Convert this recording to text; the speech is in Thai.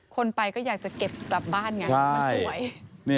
คนไปก็อยากจะเก็บกลับบ้านไงมันสวย